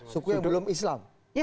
suku yang belum islam